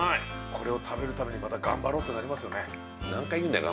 これを食べるためにまた頑張ろうってなりますよね。